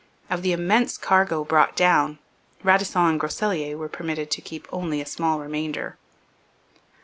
Of the immense cargo brought down, Radisson and Groseilliers were permitted to keep only a small remainder.